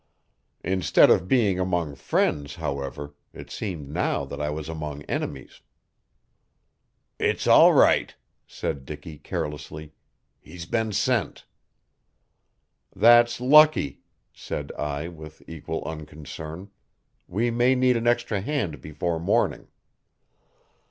Instead of being among friends, however, it seemed now that I was among enemies. "It's all right," said Dicky carelessly. "He's been sent." "That's lucky," said I with equal unconcern. "We may need an extra hand before morning."